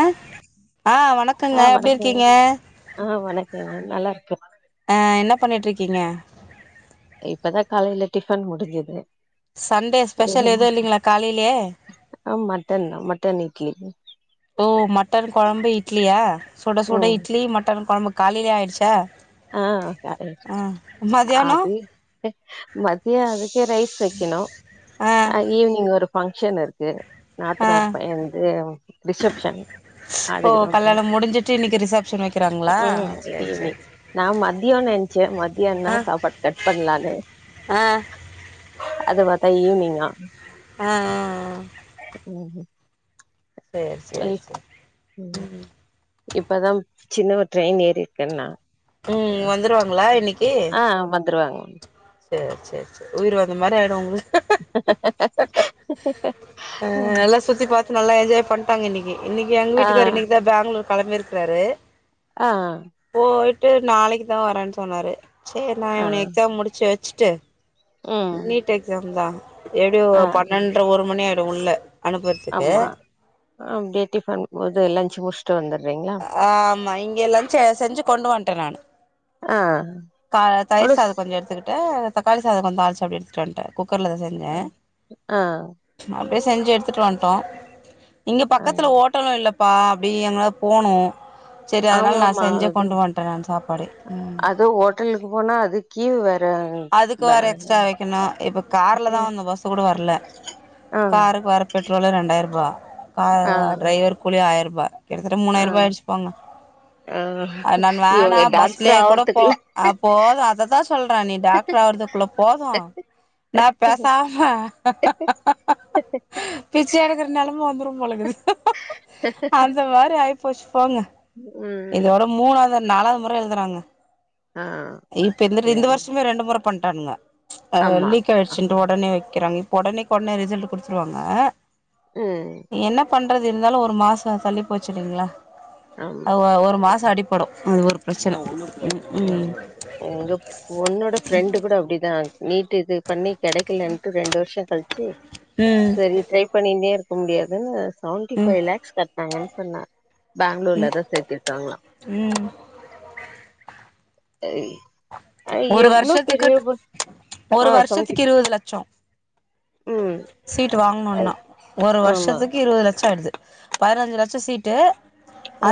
அ ஆ வணக்கங்க எப்டிருக்கீங்க ஏங்க நல்லா இருக்கு ஆ என்ன பண்ணிட்றிக்கீங்க இப்பதா காலையில டிஃபன் முடுஞ்சுது சண்டே அது ஸ்பெஷல் என்ன எதுவு இல்லைங்களா காலையிலே அ மட்டன் மட்டன் இட்லி ஓ மட்டன் கொழம்பு இட்லியா சுடசுட ம் இட்லி மட்டன் கொழம்பு காலையிலையே ஆயிடுச்சா ஆ ஆ மதியானோ அது மத்தியோ அதுக்கே ரைஸ் வெக்கணு ஆ அ ஈவ்னிங் ஒரு பங்ஷன் இருக்கு ஆ நாத்துனார் பைய வந்து ரிசப்ஷன் ஓ அதுக்குதா போனு கல்யாணம் முடிஞ்சுட்டு இன்னைக்கு ரிசப்ஷன் வைக்கிறாங்களா ம் ம் சேரி ஈவ்னிங் சேரி நா மதியோன்னு நெனச்சே மதியம்னா ஆ சாப்பாடு கட் பண்லானு ஆ அது பாத்தா ஈவ்னிங்கா ஆஆ ம் சேரி சேரி இப் சேரி ம் இப்பதா சின்னவ ட்ரெயின் ஏறிருக்கன்னா ம் வந்துருவாங்ளா இன்னிக்கி ம் சேர் சேர் சேரி உயிர் வந்த மாரி ஆய்டு உ அ ஆ நல்லா சுத்தி பாத்து நல்லா என்ஜாய் பண்ட்டாங்க இன்னிக்கி இன்னிக்கி எங்க வீட்டுகார் இன்னிக்கிதா பேங்ளூர் கெளம்பிருக்றாரு அ ஆ ட்டு நாளைக்கிதா வரேன்னு சொன்னாரு செரி நா ஆ இவனு எக்ஸாம் முடிச்சு வச் ஸ்ட்டு ம் நீட் எக்ஸாம் தா எப்டி ஆ ஒரு பன்னெண்ற ஒரு மணி ஆயிடு உள்ள அனுப்புறதுக்கு ஆமா அப்டியே டிஃபன் போது லஞ்சு முடுச்சுட் ட்டு வந்த ஆ ஆமா இங்க லன்ச செஞ்சு கொண்டு வன்ட் ட்டே நானு அ அ கா தயிர் சாதோ கொஞ்சோ எடுத்துக்குட் ட்டு தக்காளி சாதோ கொஞ்சோ அறுச்சு அப்டியே எடுத்துட்டு வன்ட்டாரு குக்கர்ல தா செஞ்சே ஆ நானு அப்புடியே செஞ்சு எடுத்துட்டு வன்ட்டோ இங்க ஆ பக்கத்துல ஓட்டலு இல்ல ப்பா அப்டி எங்கனாது போனு செரி அதுனால நா ஆமாமா செஞ்சே அது கொண்டு வன்டே நா சாப்பாடு ம் அது ஹோட்டலுக்கு போனா அது கீவு வேற அதுக்கு ப வேற எக்ஸ்ட்ரா வெக்கணு இப்ப கார்லதா வந்தோ பஸ்ஸு உடுவாருல்ல ஆ காருக்கு வற பெட்ரோலு ரெண்டாயிர் ரூபா கா ஆ டிரைவரு கூலி ஆயிர ரூ வ கிட்டத்தட்ட ஆ மூணாயிர ருபா ஆயிடுச்சு போங்க ஆ அ நான் இவங்க வேணா டாக்டர் பஸ்லயே கூட போ ஆவறதுக்குள்ள அ போது அததா சொ சொல்றாங் டாக்டர் வரதுக்குள்ள போதும் நான் பேசாம பிச்ச எடுக்குற நெலம வந்துரும் போலங்க அந்த மாரி ஆயி பஷ் போங்க இது ம் வரும் மூணாவது நாலாவது முறை எழுதுறாங்க ஆ இப்ப இந்த இந்த வருஷமே ரெண்டு முறை பண்டானுங்க ஆ ஆமா லீக் ஆயிடுச்சுன்னு ஒடனே வைக்கிறாங்க ஒடனேக் ஒடனே ரிசல்ட் குடுத்துருவாங்க ம் றது இருந்தாலும் ஒரு மாசம் தள்ளி போச்சு இல்லீங்ளா ஆமா ஒரு மாசம் அடிப்படும் ம் ஒரு பிரச்சன ஒன்னு ம் எங்க பொண்ணோட ஃபிரெண்டு கூட அப்டிதான் ஆ நீட்டு இது பண்ணி கெடைக்கலேன்ட்டு ரெண்டு வருஷம் கழிச்சி ம் செரி ட்ரை பண்ணின்னே இரு இருக்க முடியாது சவன்டி ம் ஃபைவ் லேக்ஸ் கட்டனாங்கன்னு சொன்னா ம் பெங்களூர்லதான் சேத்திருக்காங்களா ம் ஐ ஐ ஒரு எவ்ளோ வருஷத்துக்கு பெரிய ஒரு ஒரு ஆ சவன்டி வருஷத்துக்கு இருவது ம் சீட்டோ இன்னு ஐ, ஒன்னா ஒரு ஆமா வருஷத்துக்கு இருவது லட்சம் ஆயிடுது பதினஞ்சு லட்ச சீட்டு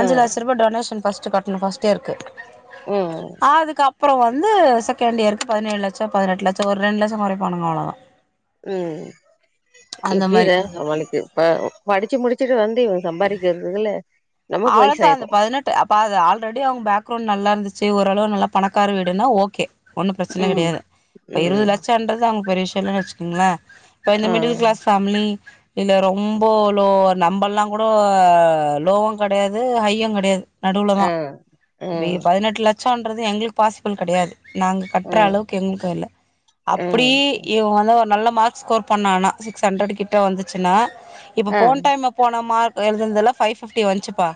ஆ லட்ச ரூபா டொனேஷன் ஃபஸ்ட்டு கட்னோ ஃப்ஸ்ட்டு இயருக்கு ம் அப்றம் வந்து செகண்ட் இயருக்கு பதினேழு லட்சம் பதினெட்டு லட்சம் ஒரு ரெண்டு லட்சம் கொறைப்பாங்களா அவ்ளோதான் ம் எப்பிடி மாரி அத சமாளிக்றது ப படிச்சு முடிச்சு வச்சிட்டு வந்து இவன் சம்பாரிக்கிறதுக்குல்ல அவ்ளோதான் அந்த பதினெட்டு அப்ப அது ஆல்ரெடி அவுங்க பேக்ரௌவுண்ட் நல்லா இருந்துச்சு செரி ஓரளவு நல்லா பணக்கார வீடுனா ஓகே ஒண்ணும் பிரச்சனை ம் கெடையாது இப்ப இருபது ம் லட்சங்கறது அவுங்க பெறிய விச சில்லன்னு வச்சிருக்கீங்களா இப்ப இந்த ஆ மிடில் க்ளஸ் ஃபேமிலி இல்ல ரொம்போலோ நம்பல்லா குடோ லோ கடையாது ஹையுங் கெடையாது நடுவுல தா ஆ ஆ இவெங்க பதினெட்டுல சோன்றது எங்ளுக் பாசிபுள் கெடையாது நாங்க ஆ கட்ற அளவுக்கெங்களுக்கு இல்ல ஆ அப்டீ இவ வந்து ஒரு நல்ல மார்க்ஸ் ஸ்கோர் பண்ணானா சிக்ஸ் ஹண்ட்ரட் கிட்ட வந்துச்சுன்னா இப்ப ஆ போன் டைம போன மார் எழுதுன்துல ஃபை ஃபிஃப்ஃவ்டி வந்ச்சி பா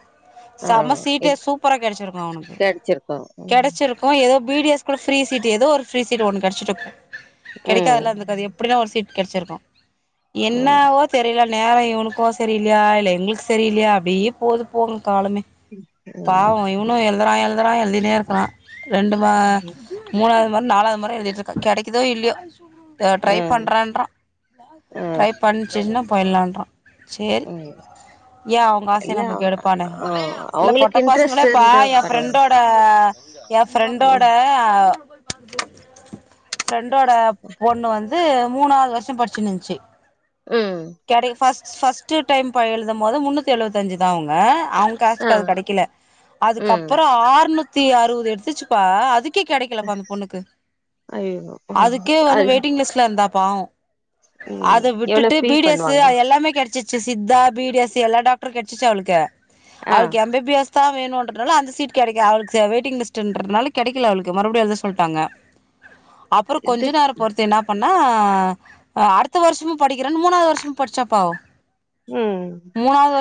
ஆ செம எப் சீட்டே சூப்பரா கெடச்சிருக்கூ அவனுக்கு கெடச்சிருக்கு ம் கெடச்சிருக்கூ ஏதோ பி டி எஸ் கூட ஃப்ரீ சீட்டு ஏதோ ஒரு ப்ரீ சீட்டு ஒன்னு கெடச்சிட்ருக்கு ம் கெடைக்காதுல்லா இருந்துக்காது எப்டினா ஒரு சீட்டு கெடச்சிர்க்கூ ம் என்னாவோ தெரிலல் நேரோ இவனுக்கோ சரி இல்லையா இல்ல எங்களுக் சரியில்லையா அப்டியே போது போரு காலமே ம் பாவோ இவனூ எல் துறா எழுதுறா எழுதினேருக்குறா ரெண்டு மா மூணாது ம நாலாது மொற எழுதிட்ருக்கா கெடைக்குதோ இல்லியோ டா ட்ரை ம் பண்றேன்றா ட்ரை பண்ச்சின்னா பொயிட்லான்றா சேரி ம் ஏ அவொங்காசைய இல்ல நம்ம கெடுக் ஆ இல்ல அவங்களுக்கு பொட்ட இன்ட்ரெஸ்ட் பசங்களேப்பா இருந்தா ஏ பரவால்ல ஃப்ரெண்டோட ஏ ஃப்ரெண்டோட ம் அ ப்பா ஃப்ரெண்டோட பொண்ணு வந்த் து மூணாவது வருஷொ படிச்சினுன்ச்சி ம் கெடை ஃபஸ் ஃபஸ்ட்டு டைம் ப எழுதும் போது முன்னுத்தி எழுவத்தஞ்சு தா அவொங் அ அவங் ஆ கேஸ்டுக்கது கெடைக்கல ம் அதுக்கப்பறொ ஆர்நுத் தீ அறுவது எடுத்துச்சுப்பா அதுக் கி கெடைக்கலப்பா அந்த பொண்ணுக்கு ஐயோ அதுக்கே வந்து அது வெயிட்டிங் லிஸ்ட்ல இருந்தா பாவோ ம் அத எவ்ளோ விட்டுட்டு பி ஃபீல் டி எஸ்ஸு பண்ணுவாங்க அ எல்லாமே கெடச்சிச் சி சித்தா பி டி எஸ் சி எல்லா டாக்ட்ரு கெடச்சுச்சு அவளுக் கே ஆ அவளுக்கு எம் பி பி எஸ் அத்தா வேணுன்றனால அந்த சீட் கெடைக்க அவளுக்கு வெயிட்டிங் லிஸ்ட்ன்றதுனால கெடைக்கல அவளுக்கு மறுபடியு எழுத சொல்லிட்டாங்க அப்புறோ இது கொஞ்ச நேரோ பொறுத்து என்னா பண் ஆ அடுத்த வருஷமும் படிக்கிறன் மூணாவது வர்ஷம் படிச்சாப்பா அவ ம்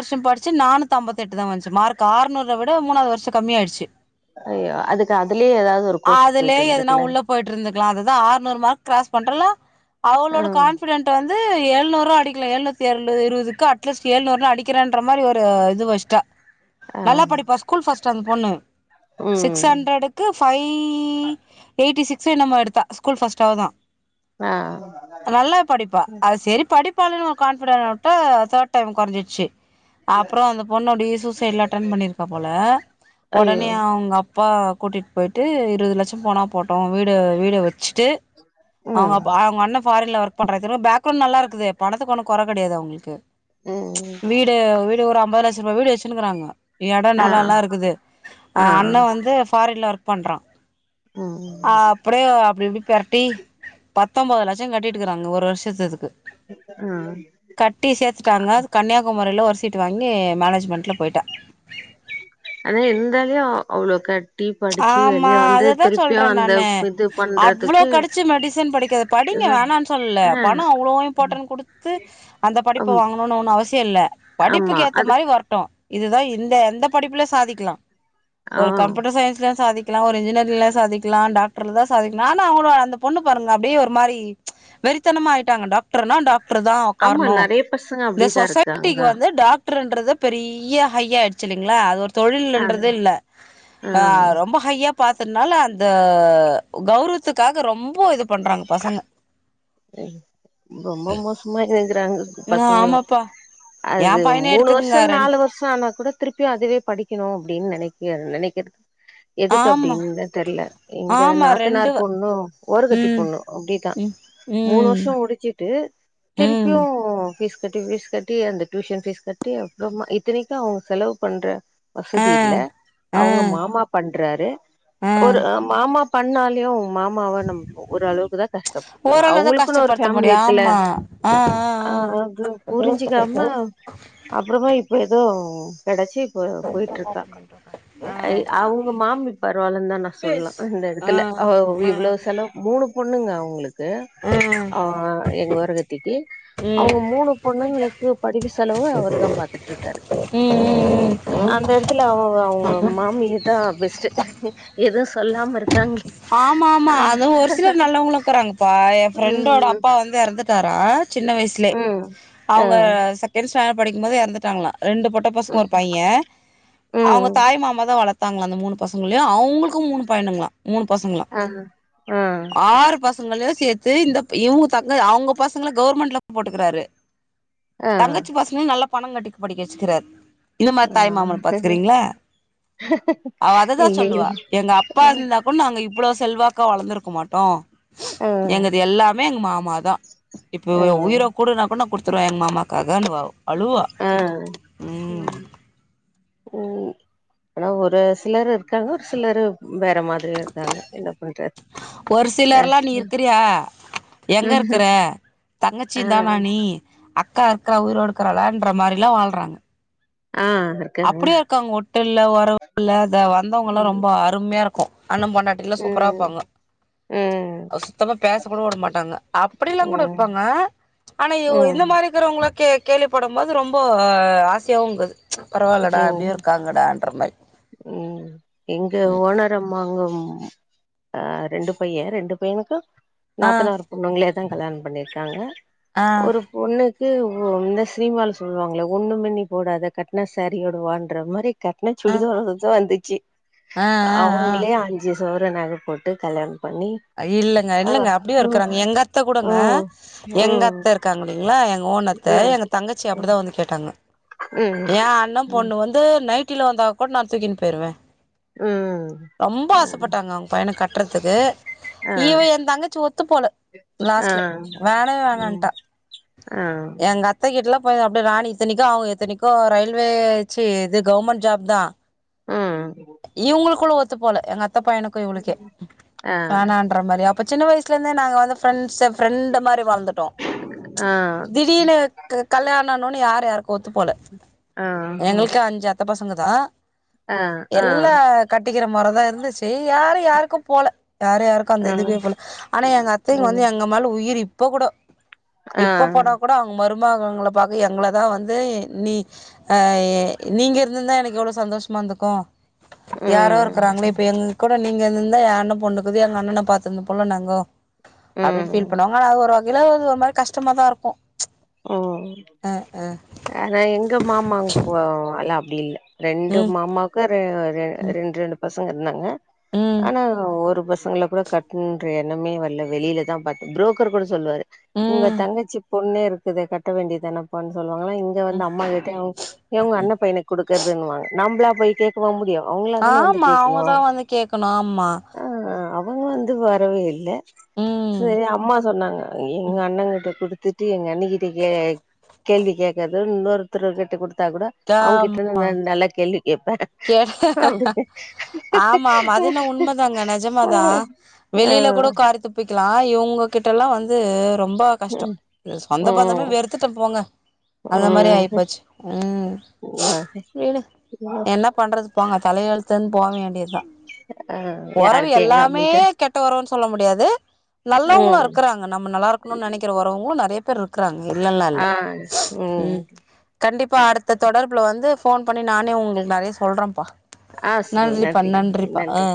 ஷம் படிச் சு நானூத்து அம்பத்தெட்டு தா வந்துச்சு மார்க் ஆர்நூறுற விட மூணாவது வர்ஷோ கம்மி ஆயிடுச்சு ஐயோ அதுக்கு அதுலயே ஏதாவது ஒரு கோர்ஸு போயிட்டு இருந்திருக்குல்ல க்கிலா அதுதா ஆர்நூறு மார்க் கிராஸ் பண்றல ஆ அவளோட கான்பிடென்ட் வந் து எழுநூறூ அடிக்கல ஏழ்நூத்தி ஏழு இருவதுக்கு அட்லீஸ் ஏழ்நூறு அடிக்கிறேன்ற மாரி ஒரு இது வெஸ்ட்டா ஆ நல்லா படிப்பா ஸ்கூல் ஃபஸ் ட் அந்த பொண்ணு சிக்ஸ் ம் ஹண்ட்ரடுக்கு ஃபை எயிட்டி சிக்ஸோ என்னமோ எடுத்தா ஸ்கூல் ஃபர்ஸ்ட் அவதா ஆ நல்லா படிப்பா அது செரி படிப் பான் ஒரு கான்ஃபிடன் உட்டா தேர்ட் டைம் குறஞ்சிருச்சு அப்றோ அந்த பொண்ணு அப்டியே சூசைட்லா அட்டன் பண்ணிருப்பா போல ஐயோ ஒடனே அவங்கப்பா கூட்டிட்டு போயி்ட்டு இருவது லட்சோ போனா போட்டு வீடு வீட வெ ச்சிட்டு அவங்க ம் அப் அவங்க அண்ண ஃபாரின்ல ஒர்க் பண்றா இது வந் பேக்ரவுண்ட் நல்லா இருக்குது பணத்துக்கொன்னு கொற கெடையாது அவங்களுக்கு ம் வீடு வீ [unintelligible] லட்ச ரூவா வீடு வெச்சினுருக்காங்கோ எடோ ஆ நெலோல்லா இருக்குது அ ஆ அண்ண வந்து ஃபாரின்ல ஒர்க் பண்றா ம் ஆ அப்டியோ அப்டி இப்டி பெரட்டி பத் தொம்பது லட்சோ கட்டிட்ருக்கிறாங்க ஒரு வர்ஷத்து இதுக்கு ஆ கட்டி சேத்துட்டாங்க கன்னியாகுமாரில ஒரு சீட்டு வாங்கி மேனேஜ்மெண்ட்ல போய்ட்டா அத இருந்தாலயு அவ்ளோ க ஆம்மா அததா சொல்றே அந்த நானு இது அவ்ளோ பண்றதுக்கு கெடச்சி மெடிசன் படிக்க படிங்க வேணான் சொல்லல ஆ பணோ அவ்ளோ இம்பார்டன் குடுத்து அந்த படிப்ப ஆம் வாங்கணுன் ஒன்னு அவசிய இல்ல ஆமா படிப்புக்கு ஏத்த அது மாரி வர்ட்டு இதுதா இந்த எந்த படிப்பில சாதிக்லா ஆ ஒரு கம்ப்யூட்டர் சயின்ஸ் சாதிக்கலா ஒரு இன்ஜினியர் இதுல சாதிக்கலா டாக்டர்லதா சாதிக்கனு ஆனா அவங் அந்த பொண்ணு பாருங்க அப்டியே ஒரு மாரி வெறித்தனமா ஆயிட்டாங்க டாக்டர்னா டாக் டர் தா ஆமா ஒக்கார்னு நெறைய பசங்க இந்த அப்டிதா இருக்காங்க சொசைட்டிக்கு வந்து டாக் டர்ன்றத பெரிய ஹையா ஆயடுச்சு இல்லிங்களா அது ஒரு ஆ தொழில்ன்றது இல்ல ஆ ரொம்ப ஹையா பாத்தனால அந்த கௌவரத்துக்கா ரொம்ப மோசமா இருக்கு காங்க ஆ பசங்களு ஆமாப்பா ஏ அது பையன மூணு எடுத்துக்குங்க வருஷோ ரெண்டு நாலு வருஷோ ஆனா கூட திருப்பியு அதுவே படிக்கணு அப்டின்னு நெனைக்க நெனைக்கிறது எதுக்கு ஆமா அப்டின்தா தெரியல எங்க ஆமா ரெண்டு நாத்தனார் பொண்ணும் ஓரகத்தி ம் பொண்ணு அப்படிதா ம் மூணு ம் வருஷம் முடிச்சிட்டு ம் திருப்பியு ஃபீஸ் கட்டி ஃபீஸ் கட்டி அந்த டியூஷன் ஃபீஸ் கட்டி அப்புறமா இத்தனைக்கு அவங்க செலவு பண்ற ஆ வசதி இல்ல அவங்க ஆ மாமா பண் றாரு ஆ ஒரு மாமாப் பண்ணாலயு மாமா ஒரு அளவுக்கு தா கஷ்டப்படுத்தணு ஓரளவுதா அவங்களுக்குன்னு ஒரு கஷ்டப்படுத்த ஃபேமிலி முடியு இருக்குல்ல ஆமா ஆ ஆ ஆ அது புரிஞ்சிக்காம அப்புறமா இப் ப எதோ கெடச்சி போ போயிட்டு இருக்கா ஆ அ அவங்க மாமி பரவால்லனு தா நா சொல்லா இந்த ஆ எடத்துல அவ ஆ ஆ ஆ இவ்வளோ செலவுப் மூணு பொண்ணுங்க அவங்களுக் கு ஆ எங்க ஓரகத்திக்கு ம் ம் அவங்க மூணு பொண்ணுங்களுக்கு படிப்பு செலவு அவரு தா பாத்துட்டு இருக்காரு ம் ம் அந்த எடத்துல அவங் இப்போ மாமிதா பெஸ்ட்டு எதுவு சொல்லாம இருக் ஆமா ஆமா அத ஒரு சிலர் நல்லவங்களு ருக்கிறாங்கப்பா எ ஃப்ரெண்டோட ம் அப்பா வந்து எறந்துட்டாரா சின்ன வயசுலே ம் ஆ அவங்க செகண்ட்ஸ் டாண்டர்ட் படிக்கும் போதே எறந்துட்டாங்களா ரெண்டு பொட்ட பசங்க ஒரு பையே அவங்க ம் தாய் மாமா தா வளத் தாங்களா அந்த மூணு பசங்களயு அவங்களுக்கு மூணு பையனுங்களா மூணு பசங்களா ஆ ஆ ஆறு பசங்கள சேத்து இந்த இவுங்க தங்க அவுங்க பசங்கல கவுர்மெண்ட்ல போட்டுக்குறாரு ஆ தங்கச்சி பசங்கலோ நல்லாப் பணம் கட்டிக்கு படிக்க வெச்சிக்கிறாரு இந்த மாரி ஆ தாய்மாமன பாத்துக்குறீங்களா அவ அததா இல்லையே சொல்லுவா எங்க அப்பா இந்தாக் இவ்ளோ செல்வாக்கா வளந்த்ருக்க மாட்டோ ஆ எங்கள்து எல்லாமே எங்க மா மாதா இப்ப ஆ உயிரகுடுனா கூட நா குடுத் குத்துறுவ எங்க மாமாக்காக அந்த வ அழுவா ஆ ம் ம் ஆனா ஒரு சிலர் இருக்காங்க ஒரு சிலரு வேற மாதிரி இருக்காங்க என்ன பண்றது ஒரு ஆ சிலர்லா நீ இருக்குறியா எங்க இருக்குற ம் தங்கச்சி ஆ தானா நீ அக் கா இருக்கறா உயிரோட இக்குறலான் ற மாரிலா வால்றாங்க ஆ இருக்காங்க அப்படியேருக்காங்க ஒட்டுல்ல ஒரவுல்ல அத வந்தவுங்கலா ம் ரொம்ப அருமயாருக் அண்ணம் பொண்டாட்டிலா ம் சூப்பராருப்பாங்க ம் சுத்தமா பேச கூட உட மாட்டாங்க அப்படிலாங் கூட ம் இர்ப்பாங்க ஆனா இவ் ம் இந்த மாரி கிறவுங்கள கேக் கேள்விப்படும்போது ரொம்போ ஆசையாவுங்குது பரவால்லடா அப்டியு இருக்காங்கடான்ற மாரி ம் எங்க ஓனரம்மா அங்க அ ரெண்டு பைய ரெண்டு பையனுக்கோ ஆ நாத்தனார் பொண்ணுங்களே தா கல்யாணம் பண்ணிருக்காங்க ஆ ஒரு பொண்ணு கு ஒ இந்த சினிமால சொல்லுவாங்களே ஒண்ணுமே நீ போடாத கட்ன சேரியோடவான்ற மாரி கட் ஆ சுடிதரோடத்தா வந்திச்சி ஆ ஆ அவுங்களே ஆ அஞ்சு சவர நக போட்டு கல்யாண இல்லங்க இல்லங்க அப்டியு இருக்குறாங்க எங்க அத்த கூடங்க ம் எங்க ம் அத்த இருக்காங்கல்ல எங் ஓனத்த ம் எங்க தங்கச்சி அப்படிதா வந்து கேட்டாங்க ம் ஏ அண்ண ம் பொண்ணு வந்து நைட்டில வந்தா கூட நா தூக்கினு போயிருவ ம் ரொம்ப ம் ஆசப்பட்டாங்க அவுங்க பையனக்கு கட்றத்துக்கு ஆ இவ எந் தங்கச்சி ஒத்து போல ஆ லாஸ்ட்ல வேணவே ம் வேணான்ட்டா ஆ எங்க அத்தகிட்லா போயி அப்டே ராணி இத்தினைக்கு அவுங்க இத்தினைக்கு ரயில்வே ச்சி இது கவுர்மண்ட் ஜாப் தா ம் இவுங்குளுக்குள்ள ஒத் து போல எ அத்த பயனுக்கு இவுளுக்கு ஆ வேனான்ற மாரியா இப்ப சின்ன வயசுலந்தே நாங்க வந்து ஃப்ரெண்ட்ஸு ஃப்ரெண்டு மாரி வளந்துட்டோ ஆ திடீனு க் கல்யாண னொன யார்யாருக் ஒத்து போல ஆ ம் எங்களுக்கே அஞ்சு அத்த பசங் இவுங்கதா ஆ ஆ எல்லா கட்டி க்கிற மொற தா இருந்துச் சு யாரு யாருக்கு போல யார் யாருக்கோ அந்த ம் இதுவே போல ஆனா எங்க அத்தைங்க வந்து ம் எங்க மேல உயிர் இப்ப கூடொ ஆ இப்ப போனா கூட அவுங்க மரு மகளுங்ள பாக்க எங்களதா வந்து நீ அ நீங்க இருந்ருந்தா எனக்கு எவ்ளோ சந்தோஷமா இந்துக்கு யாரோ ம் இருக்கறாங்ளே இப்ப எங்க கூட நீ இங்க இருந்ருந்தா எ அண்ண பொண்ணு போது எங்க அண்ணன பாத்தது போல நாங்கோ அப்டினு ம் ஃபீல் பண்ணுவாங்க ஆனா அது ஒரு வக யில ஒரு மாரி கஷ்டமா தா இருக்கு ம் அ அ அதா எங்க மாமா அங்க போவோ இல்ல அப் டி இல்ல ரெண்டு ம் மாமாக்கு ரெ ரெ ம் ரெண்ரெண்டு பசங் க இருந்தாங்க ம் ஆனா ஒரு ப சங்கள கூட கட்னுன்ற எண்ணமே வல்ல வெளியில தா பாத்தோ ப்ரோக்கர் கூட சொல்வாரு உங்க ம் தங்கச்சி பொண்ணு இருக் இத கட்ட வேண்டியதானப்பானு சொல் வாங்ளா இங்க வந்து ம் அம்மா கிட்டயு ஏ உங்க அண்ண பையனுக் குடுக்கறதுன்னுவாங்க நம்ப்ளா போய் கேக்கவா முடியு அவங்களா தானே வந்து ஆமா கேட்கணு அவுங்கதா வந்து கேக்கணு ஆமா இது வரவே இல்ல ம் சரி அம்மா சொன்னாங்க எங்க அண்ணங்கிட்ட குடுத்து து எங்க அண்ணிக்கு திங்க கேள்வி கேக்குறது இன்னொருத்தருக்கிட்ட குடுத் விட்டா கூட அவுங்க தாம் கிட்ட இருந்து நா நல்ல கேள்வி கேப்பே கேட் அ ஆமா ஆமா அது என்ன உண்மதாங்க நெஜமாதா ஆ ஆ லா இவுங்ககிட்டல்லா வந்து ரொம்ப கஷ்ட ஆ சொந்த பந்தமே ம் வெறுத்துட்டே போங்க அந்த மாரி ஆயி ம் போச்சு ம் விடு என்ன பண்றது போங்க தலையெழுத்துன்னு போவேண்டியதுதா. ஆ ஒறவு யாருக்கு எங்க எல்லாமே அம்மிட்ட கெட்ட ஒறவுனு சொல்ல முடியாது நல்லவங்களு ம் இருக்கறாங்க நம்ம நல்லா இருக்கணும்ண்னு நனைக்கிற ஒரவு நறைய ப் பேர் இருக்குறாங்க இல்லல்லா இல்ல ஆ ம் கண்டிப்பா இப்ப அடுத்த தொடர்புல வந்து போன் பண்ணி நானே உங்களுக்கு நறைய சொல்றன்ப்பா ஆ சு நன்றிப்பா நன்றிங்க நன்றிப்பா நன்றி ஆ